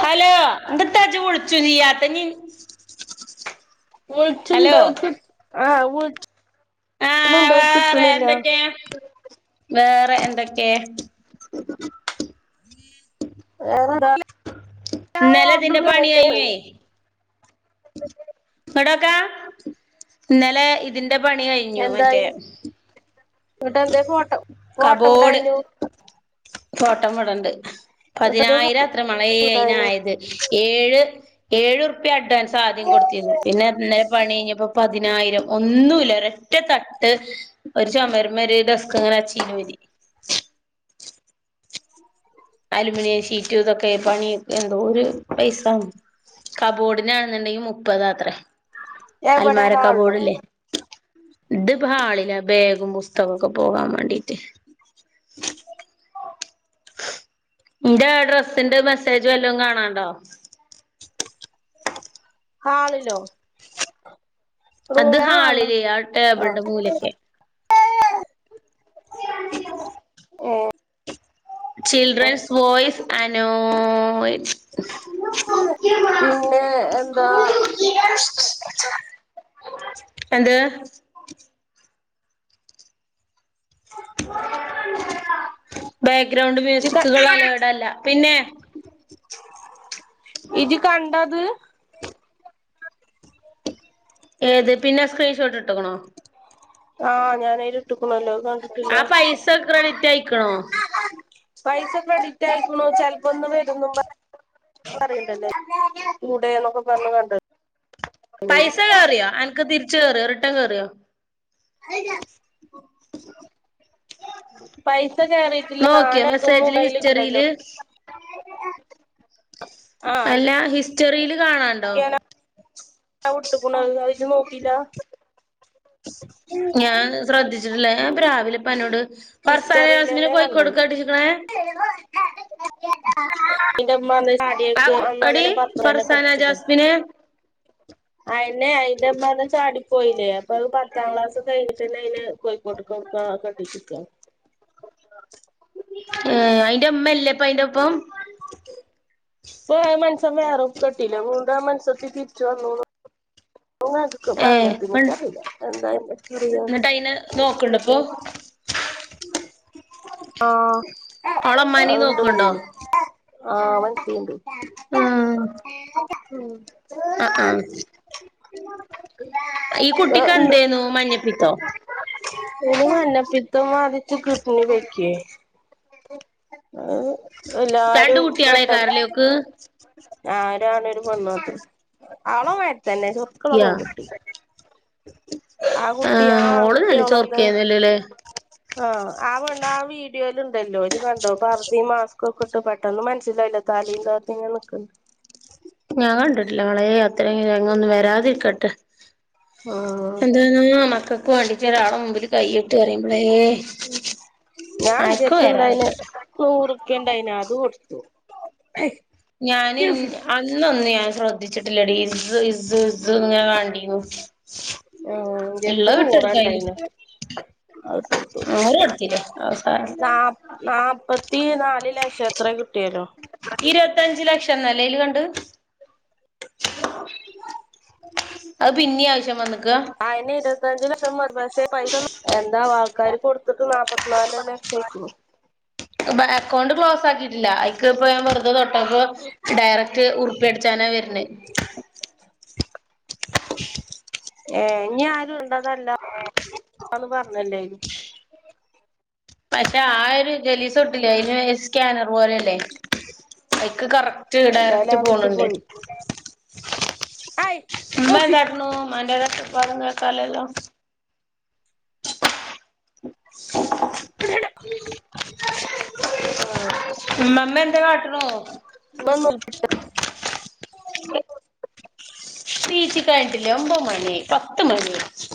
Hello എന്ത്ത്ത ജ് വ്ളിച്ചു മിയാത്ത നീ ഹലോ വിൾച്ച്ണ്ടക്ക ആ ൾച്ച് [unintelligible] റ എന്തൊക്കെ വേറെ എന്തൊക്കെ? വേറെ ന്നലെ ഇതിന്റെ പണിയായിനേ വടൊക്കെ ഇന്നലെ ഇതി ന്റെ പണി കഴിഞ്ഞു മറ്റേ ഇങ്ങെട്ടെന്തേ ഫോട്ടോ ഫോട്ടം കബോർഡ് വിടായ് ഞു ഫോട്ടം വിടണ്ട് എന്നിട്ടെന്തേ പതിനായിരം ഫോട്ടോ അത്ര മളയേ വിടായിനു അയിനായത്. ഏഴ് ഏഴു ർപ്യ അഡ്വാൻസ് ആദ്യം കൊടുത്തിരുന്നു. പിന്നെ ന്നെലെ പണി ഴിഞ്ഞപ്പോ പതിനായിരം ഒന്നുല്ല ഒരൊറ്റ തട്ട് ഒരു ചമരുമെരു ഡസ്ക് ഇങ്ങനെ വച്ചിഞ്ഞിവല് അലൂമിനിയം ഷീറ്റും ഇതൊക്കെ പണിയഎന്തോരു പൈസ കബോർഡിനാണെന്നുണ്ടെങ്കിൽ മുപ്പതാ അത്ര എവിടെ നാള്ലൊ ഇത് ബഹാളില ബേഗും പുസ്തകമൊക്കെ പോവാൻ വേണ്ടീട്ട് ഇന്റെ ഡ്രസ്സിന്റെ മെസ്സേജും വല്ലൊകാണാണ്ടോ ഹാളിലോ അത് റൂമിലാ ഹാളിലോ ഹാളിലെ ആ ആഹ് ടേബിളിന്റെ മൂലൊക്കെ ഏഹ് ചിൽഡ്രൻസ് വോയ്സ് അ നോയ്സ് പിന്നെ എന്താ [inaudible] എന്ത് ബേഗ് ഗ്രൗണ്ട് മ്യൂസിക്കുകൾ അലൗഡ് അല്ല പിന്നെ ഇജ് കണ്ടോത് ഏത് പിന്നെ സ്ക്രീൻഷോട്ട് ഇട്ട് ക്ക്ണോ ആഹ് ഞാനയ്ല് ഇട്ട്ക്ക്ണല്ലോ ആ പൈസ ക്രഡിറ്റായ്ക്ക്ണോ പൈസ ക്രഡിറ്റായ്ക്ക്ണോച്ചാൽ വന്നുണോ ഇതൊന്നും [unintelligible] പറയണ്ടല്ലേ കൂടെ എന്നൊക്കെ പറഞ്ഞ്കാണ്ട് പൈസകേറിയോ അൻക്ക് തിർ ച്ച് കേറിയോ റിട്ടൺ കേറിയോ [inaudible] പൈസ കേറീട്ടില്ല നോക്കിയോ നാളെ മെസ്സേജില് [unintelligible] അയ്ല് കണ്ടല്ലോ ഹിസ്റ്ററിയില് അല്ലാ ഹിസ്റ്റ സ്റ്ററീല് കാണാണ്ടോ അൻക്കെങ്ങനെ വിട്ട്ക്ക്ണു അത് അത് ഇജ്ജ് നോക്കില്ല ഞാൻ ശ്രദ്ധിച്ചിട്ട്ല്ല ഞൻപ്പരാവിലെ പ്പാനോട് ഫർസാന ജാസ്മിനെ ഹിസ്റ്ററിലെന്നെ കോഴിക്കോട് ക്കാ കെട്ടിച്ച്ക്നേ [unintelligible] ഇന്റമ്മറ്ഞ്ഞ് ആ ചാടിയൊക്കെ അന്ന് എടി അങ്ങനെ പത്ത്ന്ന്ന്നെ ഫർസാന കെട്ടിച്ച്കുനു ജാസ്മിനെ അയെന്നെ അയിന്റെമ്മന്ന് ചാടി പോയില്ലേ അപ്പൊ പത്താം ക്ലാസ് കഴിഞ്ഞ് കണ്ടഅയിനെ കോഴിക്കോട്ട്കൊട്ക്കാ കെട്ടിച്ചെക്കാ ഏ അയ്ന്റെ ഇമ്മല്ലേപ്പഅയ്ന്റെപ്പം പ്പേ ആ മൻസം വേറൊ കെട്ടില്ലേ വീണ്ടും ആ മൻസത്തി തിർ ച്ച് വന്നൂന്ന് ഇങ്ങള് കേട്ട്ക്ക് ഏ പറഞ്ഞേട്ട്ണ് ഇപ്പം ഇച്ചറീല്ല എന്താ അയിന്റെ പറയാ ന്നട്ടയ്നെ നോക്ക്‌ണ്ട്പ്പൊ ആ അവളെ ഇമ്മാനേം അതു നോക്കണ്ടോ [unintelligible] ആ [unintelligible] ഇണ്ട് ആ അ അ ആ മ് എന്തേന്നു മഞ്ഞപ്പിത്തോ അയ്ന് മഞ്ഞപ്പിത്തം ബാധിച്ചു കിഡ്നി പോയ്ക്കെ [inaudible] രണ്ട് പെട്ടെന്ന് കുട്ട്യാളേക്കാരലേ ഓക്ക് ആരാണ് ഒരു [unintelligible] ആളേ മാതിരിതന്നെ ചൊർക്കുള്ള യാ പെൺകുട്ടി ആ കുട്ടിയാ ആഹ് ഓള് നല്ല ആൺകുട്ടിയാ ഓള്ളത് ചൊറുക്കേന്നല്ലോല്ലേ ആ ആ പെണ്ണാ ആ വീഡിയോയിൽ ണ്ടല്ലോ ഇജ് കണ്ടോ പർ ദിം മാസ്കൊക്കെ ട്ട് പെട്ടന്ന് മനസ്സിലായില്ല തലയും താത്തി ഇങ്ങനെ നിക്കണ്ട് ഞാൻ കണ്ടിട്ടില്ല മളെ അത്രയും രംഗൊന്നും വരാതിരിക്കട്ടെ ആഹ് എന്തെന്നാ മക്കൾക്ക് വേണ്ടീട്ട് ഒരാളെ മുമ്പില് കൈ നീട്ടാറിമ്പഴേ ഉം ഞാൻ ആർക്കും ഇൻ്റടത്ത്ണ്ടായിനെ വരാതിരിക്കട്ടെ നൂറു പ്പ്യണ്ടായി നി അത് ട്ട് കൊടുത്തു ഞാന് അന്നൊന്ന് ഞാ ൻ ശ്രദ്ധിച്ചിട്ടില്ലെടീ ഇസ് ഇസ് ഇസ് ഇങ്ങനെ കണ്ടീന്നു ഉം ഇള്ള ഇൻ്റട്ത്ത് വിട്ടെടുക്കായിന് നൂറാണ്ടായിന് അഇട്ടൊട്ത്തു നൂറ് കൊടുത്തില്ലേ നാ അവസാനം നാപത്തി നാല് ലക്ഷം എത്ര കിട്ടിയോലോ ത് ലക്ഷം എന്നല്ലേ അയ്ല് കണ്ട് അത് പിന്നീ ആവശ്യം വന്ന് ആ ഇനി ഇരുപത്തഞ്ച് ല ക്ഷം [unintelligible] പക്ഷേ പൈസ എന്താ വാ ക്കാര് കൊടുത്തതും നാല്പ്പത്തിനാല് ലക്ഷം ആയ്ക്കുന്നു അക്കൗണ്ട് ക്ലോസ് ആക്കിട്ടില്ല ഐക്ക് ഇപ്പ ഞാൻ വെർ തെ തൊട്ടപ്പോ ഡയറക്റ്റ് ഉറിപ്പിയടിച്ചാനാ വര്ണെ ഏയ ഞാ [unintelligible] അതല്ലാ [unintelligible] ന്ന് പറഞ്ഞല്ലേ പക്ഷെ ആ ഒരു ജലീസുട്ടില്ലേ അയിന് സ്കാനർ പോലല്ലേ കൈക്ക് കറ റ്റ് എന്തായാലും ഡയറക്റ്റ് ആ കുട്ടി പോണുണ്ടേ. പോയി ആയ് ഉമ്മ നൗഫി എന്താകുണു? മാന്റരത്ത് ഭാഗങ്ങളൊക്കെല്ലേല്ലോ ആ ഉമ്മാമ്മ എന്താ കാട്ടുണു? മ്മ മ്മ [unintelligible] നീ ച്ചി കഴിഞ്ട്ടില്ലേ ഒമ്പഹ് മണിആയി പത്ത് മണിയായി.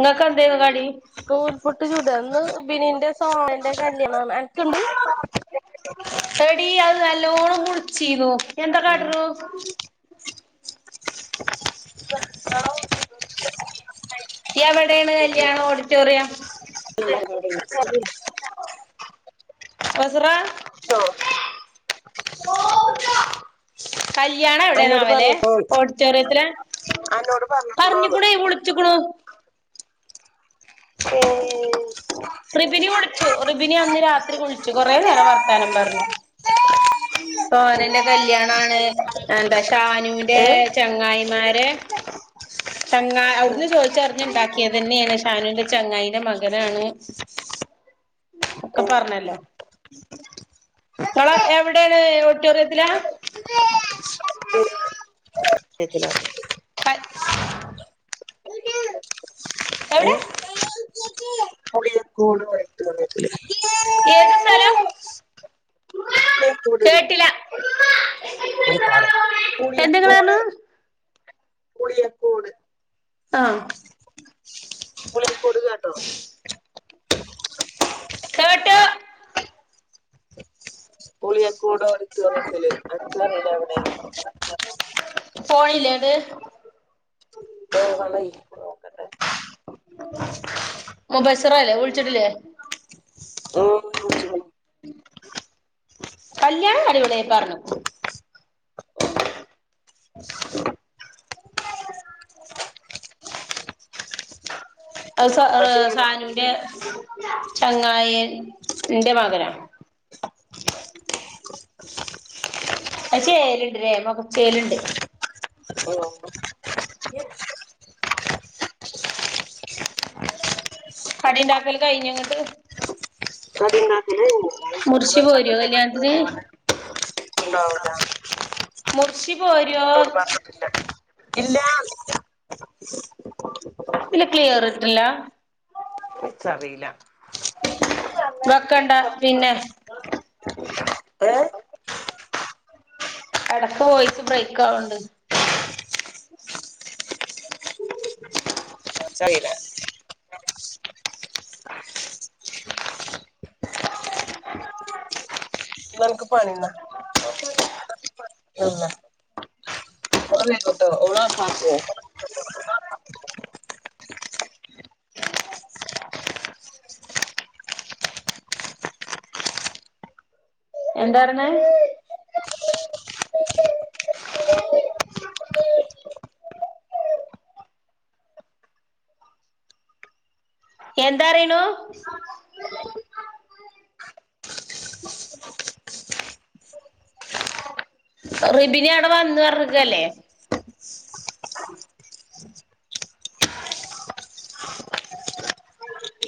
നിങ്ങക്കെന്തേനി കടി? നൂൽപുട്ട് ചുടാ ഇന്ന് ബിനീന്റെ സോനന്റെ കല്യാണാണ് അൻക്ക്ണ്ട്? എടീ അത് നല്ലോണ്ണം മുൾച്ചീന്നു. എന്താ കാട്ടുണു? [inaudible] [inaudible] എവടേണ് കല്യാണം ഓഡിറ്റോറിയം. കസ്റാ ട്ടോ. കല്യണം അന്നോട് എവിടെയാണവലെ പറഞ്ഞ്ക്കോ ഓഡ് റ്റോറിയത്തിലാ അന്നോട് പറഞ്ഞ്ക്ക്ണോന്ന് പർഞ്ഞുക്കുണെ വുൾച്ചു ക്ക്ണ്. റിബിനു കൊടുത്തു. റിബിനു അന്ന് രാത്രി വുൾച്ചു കൊറേ നേരം വർത്താനം പർഞ്ഞു. സോനന്റെ കല്യാണാണ് എന്താ സാനൂന്റെ ഏ ചങ്ങായി മാരെ ചങ്ങാ അവ്ടുന്ന് ചോയിച്ചർഞ്ഞ് ഇണ്ടാക്കിയതന്നേ ണ് ഷാനുന്റെ ചങ്ങായിന്റെ മകനാണ്. ഒക്കെ പറഞ്ഞല്ലോ. [unintelligible] എവ് ടെയാണ് ഒ ഓഡിറ്റോറിയത്തിലാ? ത്തിലാണ് ഏ? എവിടെ പുളിയക്കോട് പറയും ഏത് സ്ഥലം പുളിയക്കോടെടി കേട്ടില്ല [unintelligible] പുളിയക്കോട് എന്തെങ്ങളാണ് പുളിയക്കോട് ആഹ് പുളിയക്കോട് കേട്ടോ കേട്ടു പൂളിയ ക്കോട് ഓഡിറ്റോറിയത്തില് എനിക്കും അറിയില്ല എവിടെന്ന്. പോണില്ലേത് [unintelligible] നോക്കട്ടെ. മുബസിറ അല്ലേ വിളിച്ചിട്ടില്ലേ? ഉം വിളിച്ചിക്കുണു കല്യാണം അടിപൊളിയായി പറഞ്ഞു. ഓ അത് സ എന്താ ഏ ചെയ്യ്ണ് സാനൂന്റെ ചങ്ങായ് ന്റ മകനാ അത് ചേല്ണ്ട്ലേ മാെഖ ചേല്ണ്ട് ഉം കടിണ്ടാക്കല് കയ്ഞ്ഞങ്ങട്ട് കടിണ്ടാക്കലയ്ഞ്ഞ് മുർഷി പോരോ കല്യാൺത്ത്ന് ണ്ടാവുലാ മുർഷി പോരോ ഇല്ലാ ഇത് ക്ലിയറ്ട്ട്ല്ലാ ഇച്ചറീല വെക്കണ്ട പിന്നെ ഏ എടക്ക് വോയ്സ് ബ്രെയ്ക്കാവ്ണ്ട് ച്ചറീല ന്നൻക്ക് പണ്യാ ഓഫാക്കി [unintelligible] മ്മ വരുംട്ടോ ഉമ്മ ഫാ [unintelligible] എന്താര്ന്ന് എന്താറിണു റിബിന അടെ വന്ന് പറഞ്ഞക്കല്ലേ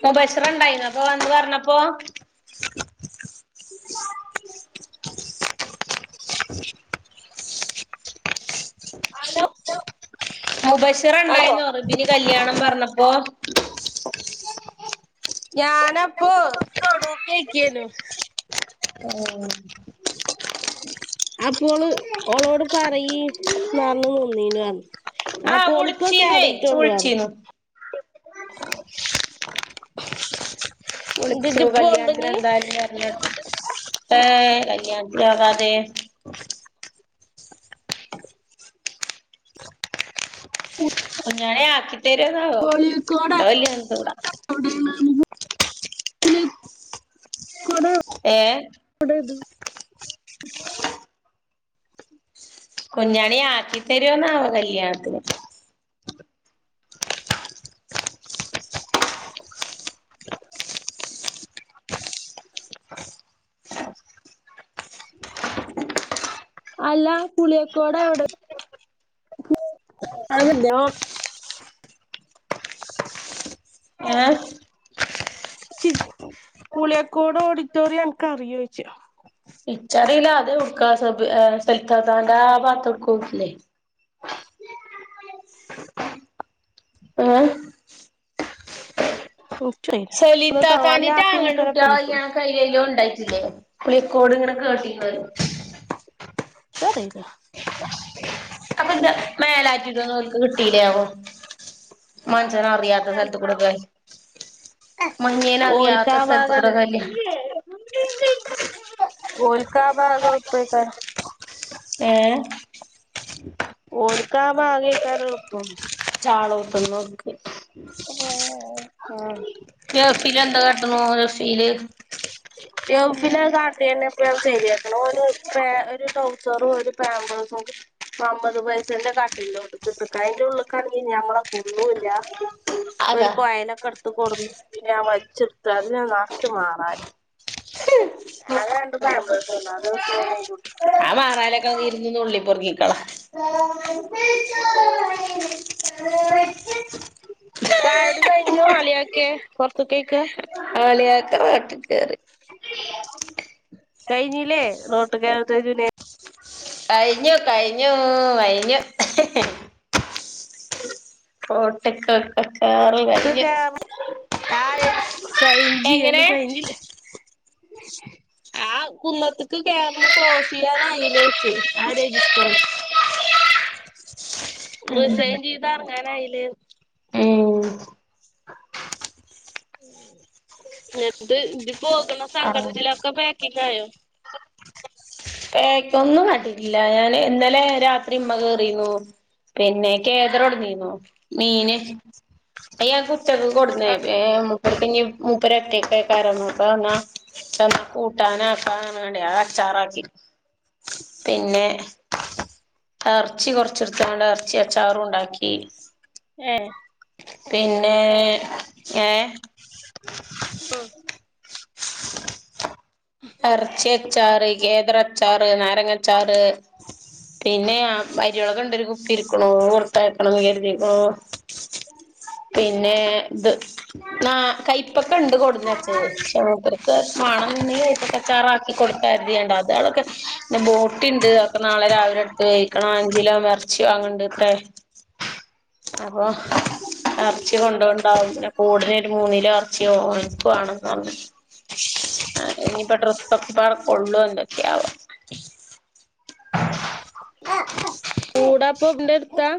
മുബസറണ്ടായിന്ന അപ്പൊ വന്ന് പറന്നപ്പോ ആലോ മുബശിറണ്ടായിന്ന് റുബിന് കല്യാണം പറന്നപ്പോ ഞാനപ്പൊ [unintelligible] ക്കനു ഓ അപ്പോള് ഓളോട് പറയി ആ [unintelligible] പൊളുപ്പൊ വിളിച്ചീന്നേ [unintelligible] വിളിച്ചീന്നു ന്ന്ട്ട് വിളിച്ചു ജ്ജ് കല്യാണത്തിന് പോവ്ണ്ടോഞ്ഞ് എന്തായാലും വരണ് ഏഹ് കല്യാണത്തിന്ന് പോകാതെ [unintelligible] ആക്കി പുളിയക്കോട [unintelligible] പുളിയക്കോട ഏഹ് ഉ കുഞ്ഞാണി ആക്കി തരോന്നാവോ കല്യാണത്തിന് അല്ല പുളിയക്കോടവിടെ ആ കല്യാനോം ഏഹ് ച്ച്‌ച്ച് പുളിയക്കോട് ഓഡിറ്റോറിയം എനക്ക് അറിയോച്ച് ഇച്ചറീലാ അതെട്ക്കാ സബ് ആഹ് സലത്താത്താന്റെ ആ ഭാത്തോട് ക്കോല്ലേ ഏഹ് ഓ സലിത്താത്താനിറ്റെ ആങ്ങളുടെ കുട്ട്യോളെ വന്ന്ക്ക്ണു കല്യാണം [unintelligible] ഉണ്ടായീനി ജില്ലേ പുളിക്കോട് ഇങ്ങനെ കേട്ടീനോ ഇച്ചറീല അപ്പൊ ന്താ മേലാറ്റൂരോന്നും ഓല്ക്ക് കിട്ടീലാവോ മാന് മഞ്ഞേനെ ഓൽക്ക അറിയാത്ത സ്ഥലത്ത് കൂടെ ഭാഗല്ലേ കല്യാണം ഓൽക്ക ഭാഗ എൽപ്പേക്കാരം ഏഹ് ഓൽകാഭാഗക്കാര എള്പ്പം ആഹ് [unintelligible] ഏസീലെന്താ [unintelligible] ഏസില് യവ്വന് അഹ് കാട്ടിന്നെ ഞാൻ ശരിയാക്ക് ന് ഓന് ഒരു പേ ട്രൗ സറും പാമ്പേസും അമ്പത് പൈസന്റെ കട്ടിന്റോട്ടിക്ക് ഇട്ട്ക്കാ അയിന്റെ ഉള്ള് ക്കാണെങ്കിൽ ഞമ്മലെ കൊ ള്ളൂല ഇപ്പൊ ഒരു അതാ കൊയ്ലൊക്കെ എടത്ത് കൊടന്ന് ഞാൻ വലിച്ചട്ത്തു അതില് നർച്ചു മാറാലേം ആകെ രണ്ട് പാമ്പേസു ണ്ട് അത് ഇടുത്തു ഒന് അയിന്റെ ഉള്ക്ക്ട്ടു പുർഗിക്കള [unintelligible] [unintelligible] ചായുടി കഴിഞ്ഞു അളിയാക്കെ പൊറത്ത്ക്ക് പോയ്ക്കാ [unintelligible] കേറി കഴിഞ്ഞില്ലേ നോട്ടു [unintelligible] കയിഞ്ഞു കയിഞ്ഞൂ കയിഞ്ഞു എഹെ എഹെ പോട്ടെ കാക്ക ക്ക് കേ [unintelligible] സൈഞ്ചി അല് എങ്ങനെ കയിഞ്ഞില്ലേ ആ കുന്നത്ത്ക്ക് കേറ്ണ ക്ലോസിയാ [unintelligible] വെച്ച ആ രജിസ്റ്റർ റിസൈൻ ചെയ്താണ് എങ്ങാനയല് ഉം ഞറ്റ് ഡി പോകണ ആഹ് സങ്കടത്തിലൊക്കെ പാക്കിങായോ കേക്കൊന്നും കട്ടിതില്ല ഞാന് ഇന്നലെ രാത്രി ഉമ്മ കേറീർന്നു പിന്നെ കേദറോടനീന്നു മീന് അയ്യ കു ട്ടികൾക്ക് കൊടുന്നേ [unintelligible] പ്പ ഞി മൂപ്പരൊറ്റക്കായ കാരണം പ്പ ന്ന ട്ടന്ന കൂട്ടാനാക്കാന്ന് റഞ്ഞിട്ട് അത അച്ചാറാക്കി പിന്നെ എറച്ചി കൊറച്ചെടുത്തങ്ങട് എറച്ചി അച്ചാറും ഉണ്ടാക്കി ഏഹ് പിന്നെ ഏ ഉം [inaudible] എറച്ചി ച്ചാറ് കേദറ ച്ചാറ് നാരങ്ങച്ചാറ് പിന്നെ അ അരിളക് ഇണ്ടരു കുപ്പി ഇരിക്കണു കൊടുത്തയക്കണന്നു കരുതിക്കണു പിന്നെ ത് നാ കൈപ്പക്ക ഇണ്ട് കൊടുന്നച്ചേന് ക്ഷേ മൂപ്പർക്ക് വാണം നിണ്ടങ്കെ കൈപ്പക്കച്ചാറാക്കി കൊറച്ചധിക ടാം അതാണോ കഷ്ട പിന്നെ ബോട്ടി ഇ ണ്ട് അപ്പ നാളെ രാവിലെ എടുത്ത് കഴിക്കണം അഞ്ചിലോ എറച്ചി വാണണ്ട് ത്രേ അപ്പോ എറച്ചി കൊണ്ടോ ഉണ്ടാവും അപ്പോ ഉടനെ ഒരു മൂന്നിലോ എറച്ചിയോ വാങ്ങ ക്ക് വേണന്നാണ് ഞിപ്പൊ ഡ്രസൊക്കെ പാടെ കൊള്ളു എന്തൊക്കെവോ [inaudible] കൂടാപ്പൊ ന്താഎടുത്താ